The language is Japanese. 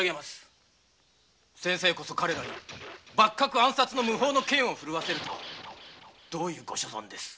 先生こそ彼らに幕閣暗殺の無法の剣を振るわせるとはどういう御所存です？